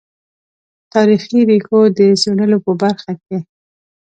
تاریخي ریښو د څېړلو په برخه کې.